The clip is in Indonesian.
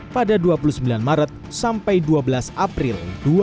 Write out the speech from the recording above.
pada dua puluh sembilan maret sampai dua belas april dua ribu dua puluh